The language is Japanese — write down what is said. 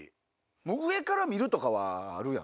上から見るとかはあるやん。